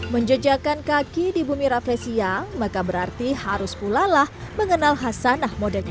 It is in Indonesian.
menjejakan kaki di bumi rafle siyang maka berarti harus pula lah mengenal hasanah modenya